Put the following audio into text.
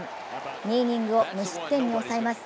２イニングを無失点に抑えます。